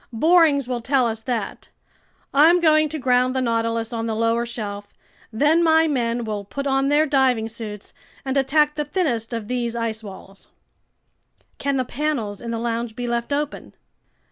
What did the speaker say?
"Borings will tell us that. I'm going to ground the Nautilus on the lower shelf, then my men will put on their diving suits and attack the thinnest of these ice walls." "Can the panels in the lounge be left open?"